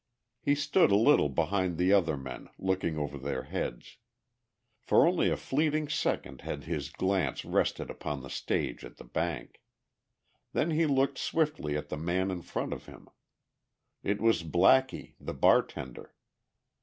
He stood a little behind the other men, looking over their heads. For only a fleeting second had his glance rested upon the stage at the bank. Then he looked swiftly at the man in front of him. It was Blackie, the bartender.